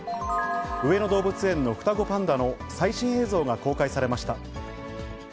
上野動物園の双子パンダの最新映像が公開されました。